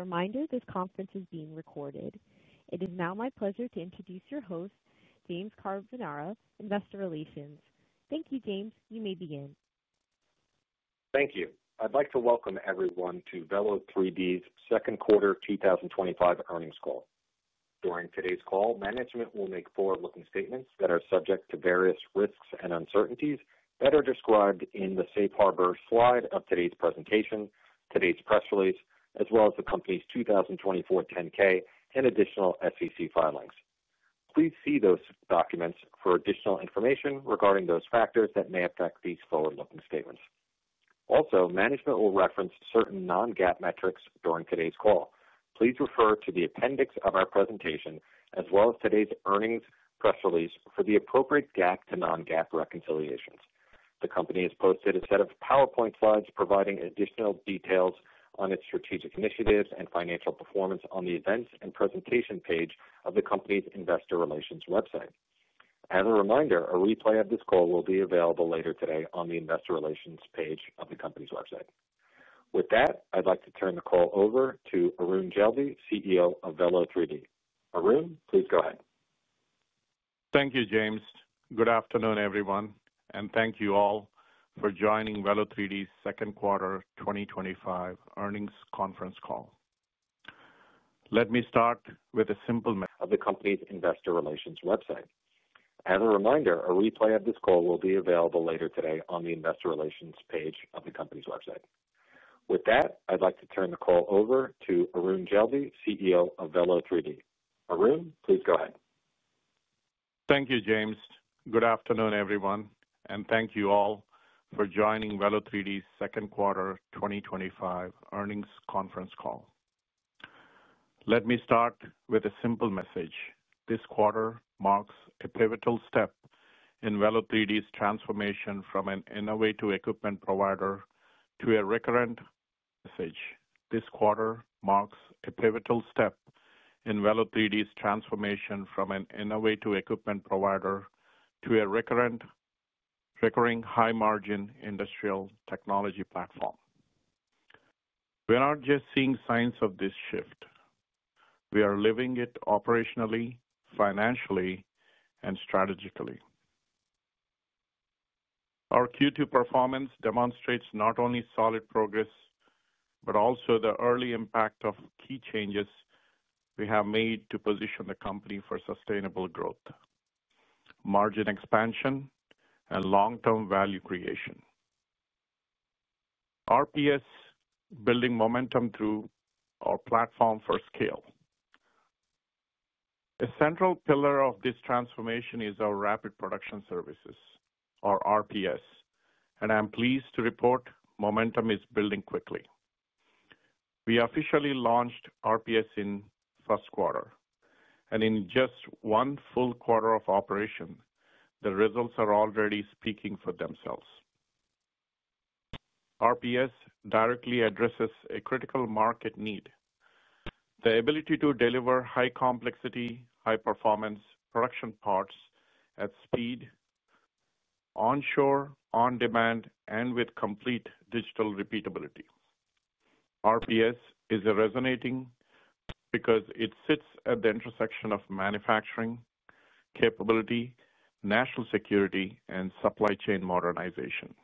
Reminder, this conference is being recorded. It is now my pleasure to introduce your host, James Carbonara, Investor Relations. Thank you, James. You may begin. Thank you. I'd like to welcome everyone to Velo3D's Second Quarter 2025 Earnings Call. During today's call, management will make forward-looking statements that are subject to various risks and uncertainties that are described in the safe harbor slide of today's presentation, today's press release, as well as the company's 2024 10-K and additional SEC filings. Please see those documents for additional information regarding those factors that may affect these forward-looking statements. Also, management will reference certain non-GAAP metrics during today's call. Please refer to the appendix of our presentation, as well as today's earnings press release for the appropriate GAAP to non-GAAP reconciliations. The company has posted a set of powerpoint slides providing additional details on its strategic initiatives and financial performance on the events and presentation page of the company's Investor Relations website. As a reminder, a replay of this call will be available later today on the Investor Relations page of the company's website. With that, I'd like to turn the call over to Arun Jeldi, CEO of Velo3D. Arun, please go ahead. Thank you, James. Good afternoon, everyone, and thank you all for joining Velo3D's Second Quarter 2025 Earnings Conference Call. Let me start with a simple... Of the company's Investor Relations website. As a reminder, a replay of this call will be available later today on the Investor Relations page of the company's website. With that, I'd like to turn the call over to Arun Jeldi, CEO of Velo3D. Arun, please go ahead. Thank you, James. Good afternoon, everyone, and thank you all for joining Velo3D's Second Quarter 2025 Earnings Conference Call. Let me start with a simple message. This quarter marks a pivotal step in Velo3D's transformation from an innovator equipment provider to a recurring high-margin industrial technology platform. We're not just seeing signs of this shift. We are living it operationally, financially, and strategically. Our Q2 performance demonstrates not only solid progress, but also the early impact of key changes we have made to position the company for sustainable growth, margin expansion, and long-term value creation. RPS, building momentum through our platform for scale. A central pillar of this transformation is our Rapid Production Services, or RPS, and I'm pleased to report momentum is building quickly. We officially launched RPS in the first quarter, and in just one full quarter of operation, the results are already speaking for themselves. RPS directly addresses a critical market need: the ability to deliver high-complexity, high-performance production parts at speed, onshore, on-demand, and with complete digital repeatability. RPS is resonating because it sits at the intersection of manufacturing, capability, national security, and supply chain modernization,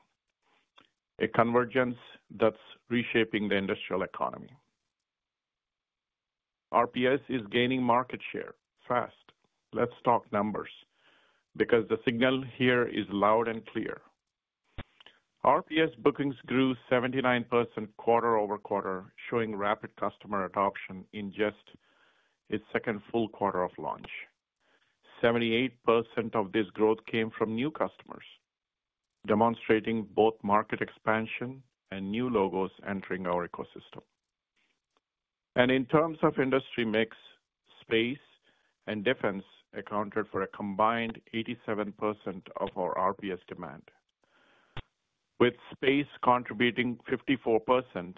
a convergence that's reshaping the industrial economy. RPS is gaining market share, fast. Let's talk numbers because the signal here is loud and clear. RPS bookings grew 79% quarter-over-quarter, showing rapid customer adoption in just its second full quarter of launch. 78% of this growth came from new customers, demonstrating both market expansion and new logos entering our ecosystem. In terms of industry mix, space and defense accounted for a combined 87% of our RPS demand, with space contributing 54%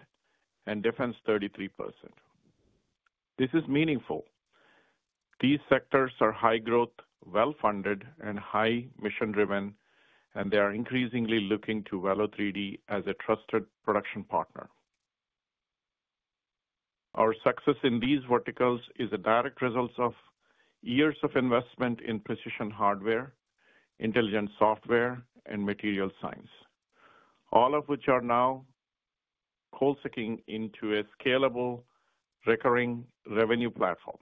and defense 33%. This is meaningful. These sectors are high-growth, well-funded, and high-mission driven, and they are increasingly looking to Velo3D as a trusted production partner. Our success in these verticals is a direct result of years of investment in precision hardware, intelligent software, and material science, all of which are now co-sinking into a scalable, recurring revenue platform.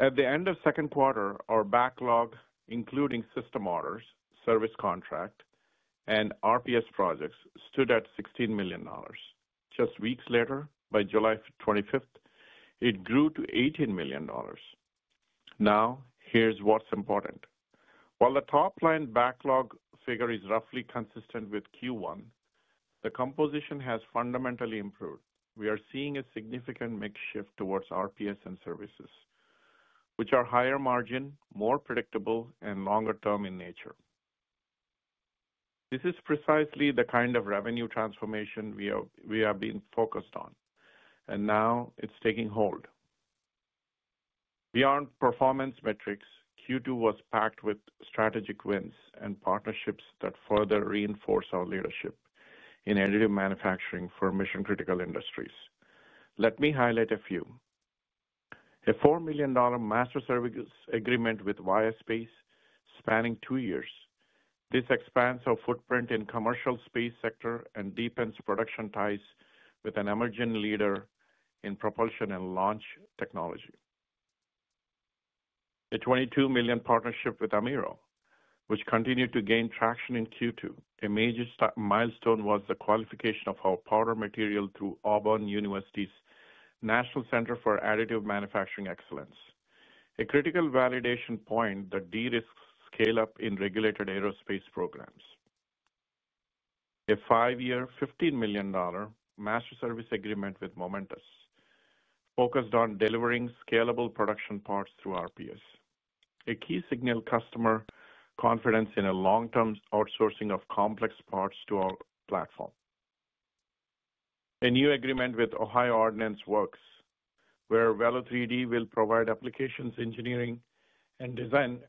At the end of the second quarter, our backlog, including system orders, service contracts, and RPS projects, stood at $16 million. Just weeks later, by July 25th, it grew to $18 million. Now, here's what's important. While the top-line backlog figure is roughly consistent with Q1, the composition has fundamentally improved. We are seeing a significant mix shift towards RPS and services, which are higher margin, more predictable, and longer-term in nature. This is precisely the kind of revenue transformation we have been focused on, and now it's taking hold. Beyond performance metrics, Q2 was packed with strategic wins and partnerships that further reinforce our leadership in additive manufacturing for mission-critical industries. Let me highlight a few. A $4 million master service agreement with Vaya Space, spanning two years, expands our footprint in the commercial space sector and deepens production ties with an emerging leader in propulsion and launch technology. A $22 million partnership with Amaero, which continued to gain traction in Q2. A major milestone was the qualification of our powder material through Auburn University's National Center for Additive Manufacturing Excellence, a critical validation point that de-risked scale-up in regulated aerospace programs. A five-year, $15 million master service agreement with Momentus, focused on delivering scalable production parts through RPS, is a key signal of customer confidence in a long-term outsourcing of complex parts to our platform. A new agreement with Ohio Ordnance Works, where Velo3D will provide applications, engineering, and design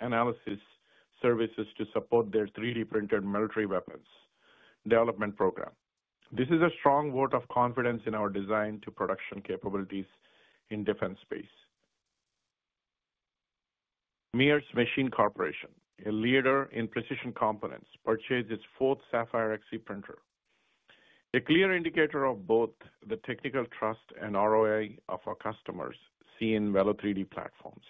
analysis services to support their 3D printed military weapons development program. This is a strong vote of confidence in our design-to-production capabilities in the defense space. Meyers Machine Corporation, a leader in precision components, purchased its fourth Sapphire XC printer, a clear indicator of both the technical trust and ROI our customers see in Velo3D platforms.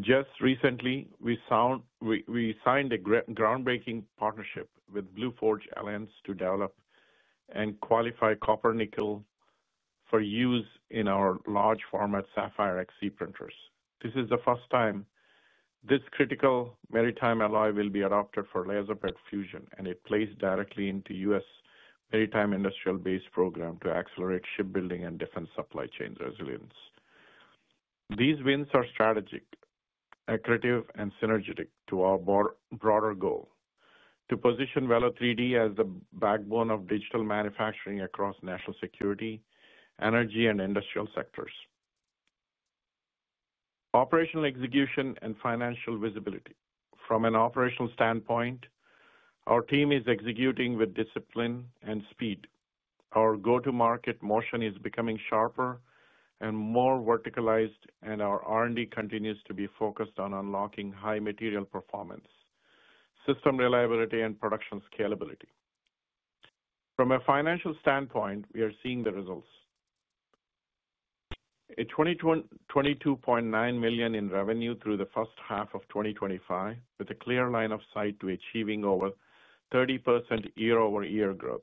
Just recently, we signed a groundbreaking partnership with BlueForge Alliance to develop and qualify copper-nickel for use in our large-format Sapphire XC printers. This is the first time this critical maritime alloy will be adopted for laser-pegged fusion, and it plays directly into the U.S. maritime industrial base program to accelerate shipbuilding and defense supply chain resilience. These wins are strategic, accretive, and synergetic to our broader goal to position Velo3D as the backbone of digital manufacturing across national security, energy, and industrial sectors. Operational execution and financial visibility. From an operational standpoint, our team is executing with discipline and speed. Our go-to-market motion is becoming sharper and more verticalized, and our R&D continues to be focused on unlocking high material performance, system reliability, and production scalability. From a financial standpoint, we are seeing the results. $22.9 million in revenue through the first half of 2025, with a clear line of sight to achieving over 30% year-over-year growth.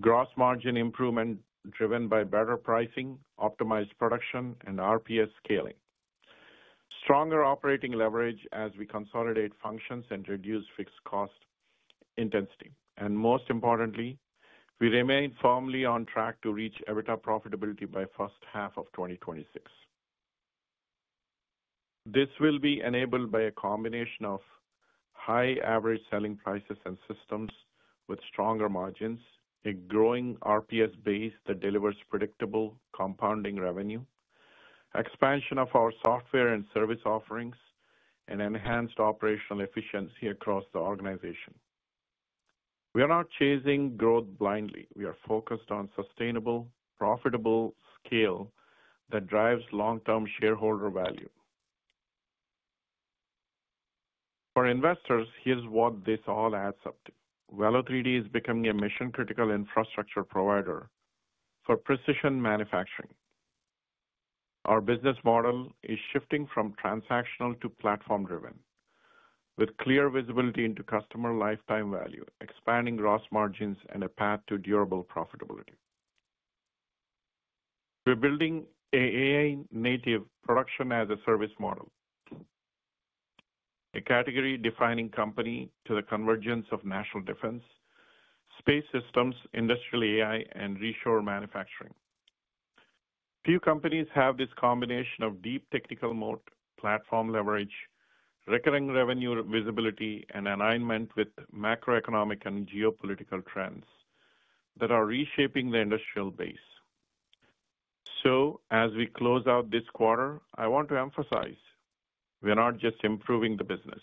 Gross margin improvement driven by better pricing, optimized production, and RPS scaling. Stronger operating leverage as we consolidate functions and reduce fixed cost intensity. Most importantly, we remain firmly on track to reach EBITDA profitability by the first half of 2026. This will be enabled by a combination of high average selling prices and systems with stronger margins, a growing RPS base that delivers predictable compounding revenue, expansion of our software and service offerings, and enhanced operational efficiency across the organization. We are not chasing growth blindly. We are focused on sustainable, profitable scale that drives long-term shareholder value. For investors, here's what this all adds up to. Velo3D is becoming a mission-critical infrastructure provider for precision manufacturing. Our business model is shifting from transactional to platform-driven, with clear visibility into customer lifetime value, expanding gross margins, and a path to durable profitability. We're building an AI-native production as a service model, a category-defining company at the convergence of national defense, space systems, industrial AI, and reshore manufacturing. Few companies have this combination of deep technical moat, platform leverage, recurring revenue visibility, and alignment with macro-economic and geopolitical trends that are reshaping the industrial base. As we close out this quarter, I want to emphasize we're not just improving the business.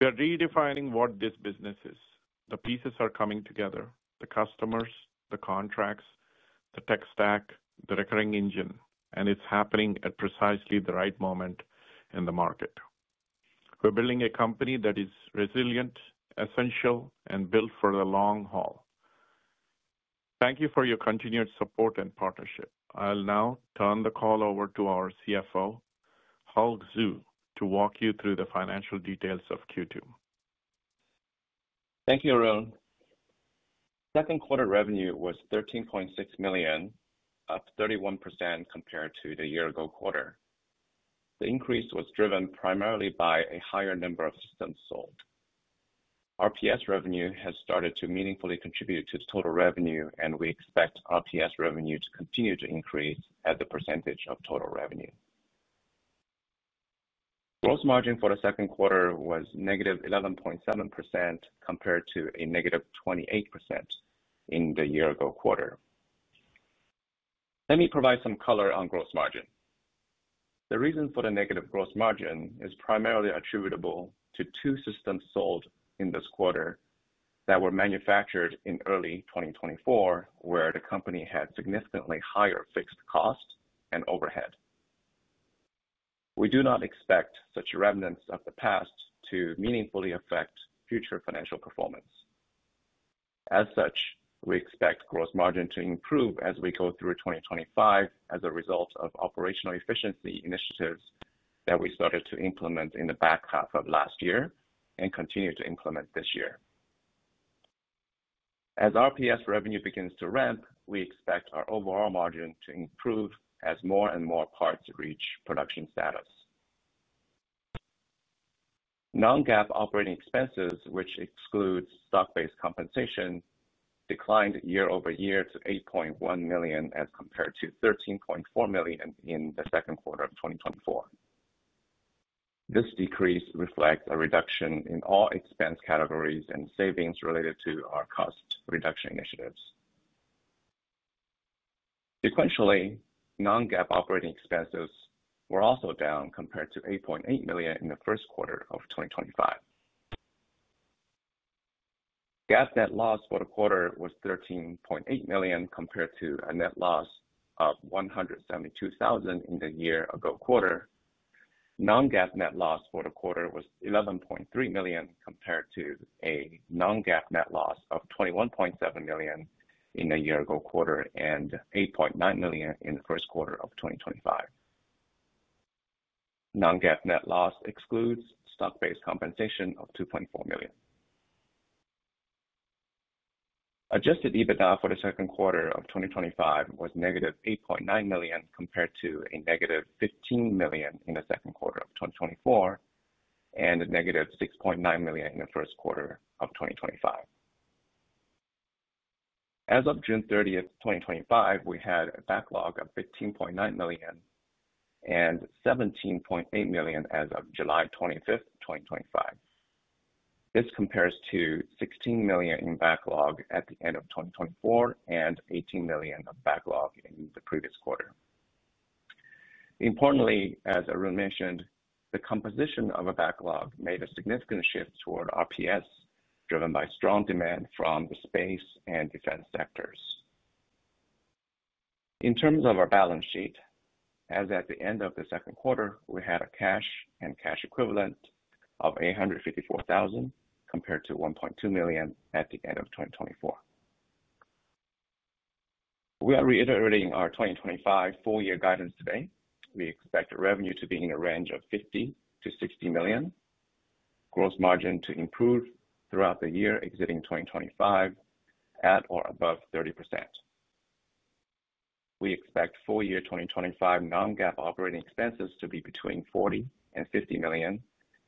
We are redefining what this business is. The pieces are coming together: the customers, the contracts, the tech stack, the recurring engine, and it's happening at precisely the right moment in the market. We're building a company that is resilient, essential, and built for the long haul. Thank you for your continued support and partnership. I'll now turn the call over to our CFO, Hull Xu, to walk you through the financial details of Q2. Thank you, Arun. Second quarter revenue was $13.6 million, up 31% compared to the year-ago quarter. The increase was driven primarily by a higher number of systems sold. RPS revenue has started to meaningfully contribute to the total revenue, and we expect RPS revenue to continue to increase as the percentage of total revenue. Gross margin for the second quarter was -11.7% compared to -28% in the year-ago quarter. Let me provide some color on gross margin. The reason for the negative gross margin is primarily attributable to two systems sold in this quarter that were manufactured in early 2024, where the company had significantly higher fixed cost and overhead. We do not expect such remnants of the past to meaningfully affect future financial performance. As such, we expect gross margin to improve as we go through 2025 as a result of operational efficiency initiatives that we started to implement in the back half of last year and continue to implement this year. As RPS revenue begins to ramp, we expect our overall margin to improve as more and more parts reach production status. Non-GAAP operating expenses, which exclude stock-based compensation, declined year-over-year to $8.1 million as compared to $13.4 million in the second quarter of 2024. This decrease reflects a reduction in all expense categories and savings related to our cost reduction initiatives. Sequentially, non-GAAP operating expenses were also down compared to $8.8 million in the first quarter of 2025. GAAP net loss for the quarter was $13.8 million compared to a net loss of $172,000 in the year-ago quarter. Non-GAAP net loss for the quarter was $11.3 million compared to a non-GAAP net loss of $21.7 million in the year-ago quarter and $8.9 million in the first quarter of 2025. Non-GAAP net loss excludes stock-based compensation of $2.4 million. Adjusted EBITDA for the second quarter of 2025 was -$8.9 million compared to -$15 million in the second quarter of 2024 and -$6.9 million in the first quarter of 2025. As of June 30, 2025, we had a backlog of $15.9 million and $17.8 million as of July 25, 2025. This compares to $16 million in backlog at the end of 2024 and $18 million of backlog in the previous quarter. Importantly, as Arun mentioned, the composition of backlog made a significant shift toward RPS, driven by strong demand from the space and defense sectors. In terms of our balance sheet, as at the end of the second quarter, we had a cash and cash equivalent of $854,000 compared to $1.2 million at the end of 2024. We are reiterating our 2025 full-year guidance today. We expect revenue to be in the range of $50 million-$60 million, gross margin to improve throughout the year exiting 2025 at or above 30%. We expect full-year 2025 non-GAAP operating expenses to be between $40 million and $50 million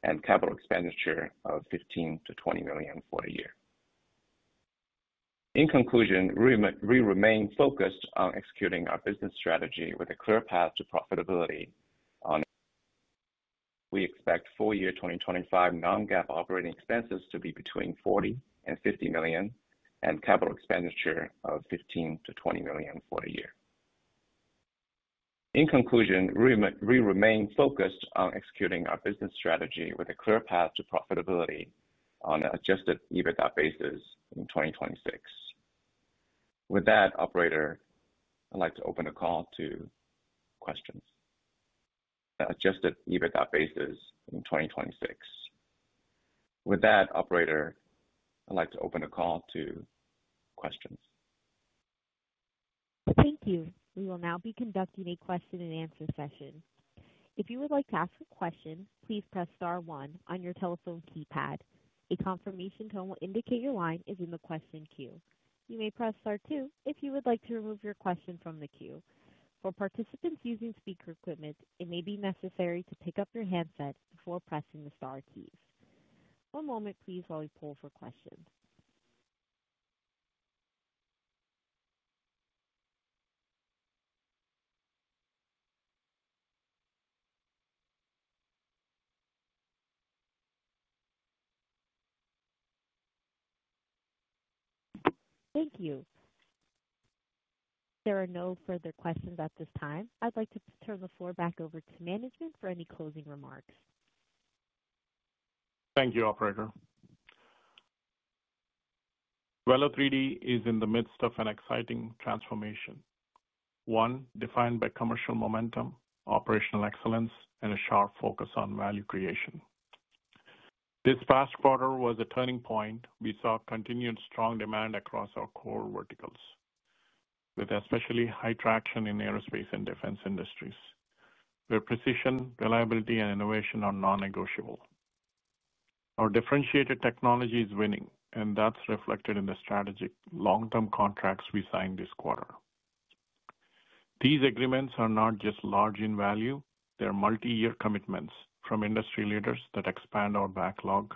and capital expenditure of $15 million-$20 million for the year. In conclusion, we remain focused on executing our business strategy with a clear path to profitability. We expect full-year 2025 non-GAAP operating expenses to be between $40 million and $50 million and capital expenditure of $15 million-$20 million for the year. In conclusion, we remain focused on executing our business strategy with a clear path to profitability on an adjusted EBITDA basis in 2026. With that, operator, I'd like to open the call to questions. Adjusted EBITDA basis in 2026. With that, operator, I'd like to open the call to questions. Thank you. We will now be conducting a question and answer session. If you would like to ask a question, please press star-one on your telephone keypad. A confirmation tone will indicate your line is in the question queue. You may press star-two if you would like to remove your question from the queue. For participants using speaker equipment, it may be necessary to pick up your handset before pressing the star keys. One moment, please, while we pull for questions. Thank you. There are no further questions at this time. I'd like to turn the floor back over to management for any closing remarks. Thank you, operator. Velo3D is in the midst of an exciting transformation, one defined by commercial momentum, operational excellence, and a sharp focus on value creation. This past quarter was a turning point. We saw continued strong demand across our core verticals, with especially high traction in aerospace and defense industries, where precision, reliability, and innovation are non-negotiable. Our differentiated technology is winning, and that's reflected in the strategic long-term contracts we signed this quarter. These agreements are not just large in value, they are multi-year commitments from industry leaders that expand our backlog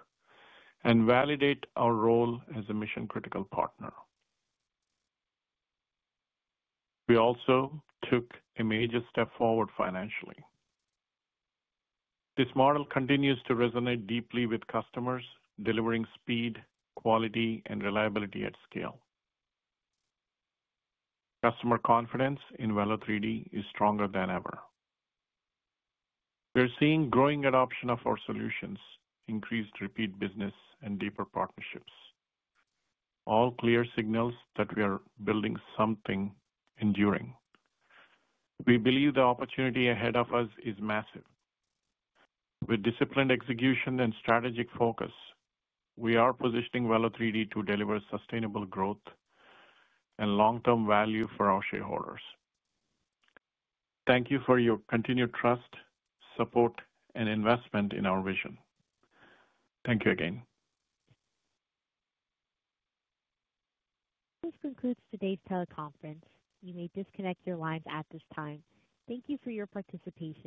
and validate our role as a mission-critical partner. We also took a major step forward financially. This model continues to resonate deeply with customers, delivering speed, quality, and reliability at scale. Customer confidence in Velo3D is stronger than ever. We're seeing growing adoption of our solutions, increased repeat business, and deeper partnerships, all clear signals that we are building something enduring. We believe the opportunity ahead of us is massive. With disciplined execution and strategic focus, we are positioning Velo3D to deliver sustainable growth and long-term value for our shareholders. Thank you for your continued trust, support, and investment in our vision. Thank you again. This concludes today's teleconference. You may disconnect your lines at this time. Thank you for your participation.